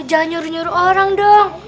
jangan nyuruh nyuruh orang dong